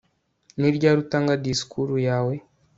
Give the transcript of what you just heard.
Ni ryari utanga disikuru yawe